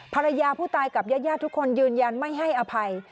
ภรรยาผู้ตายกับญาติทุกคนยืนยันไม่ให้อภัย